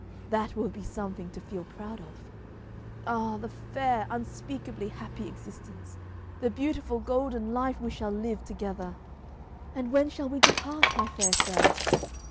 That will be something to feel proud of. Ah, the fair, unspeakably happy existence, the beautiful golden life we shall live together! And when shall we depart, my fair sir?